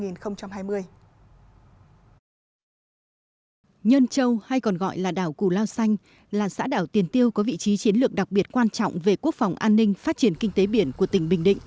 nhân châu hay còn gọi là đảo cù lao xanh là xã đảo tiền tiêu có vị trí chiến lược đặc biệt quan trọng về quốc phòng an ninh phát triển kinh tế biển của tỉnh bình định